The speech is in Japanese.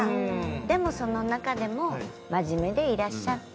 でもその中でも真面目でいらっしゃって。